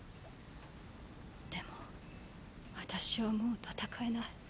でも私はもう戦えない。